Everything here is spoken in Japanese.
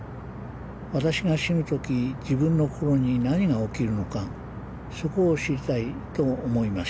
私が死ぬ時自分の心に何が起きるのかそこを知りたいと思いました。